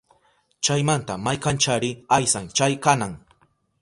Chaymanta maykanchari aysan chay qanan